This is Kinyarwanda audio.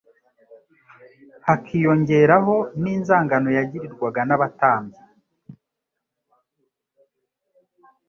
hakiyongeraho n'inzangano yagirirwaga n'abatambyi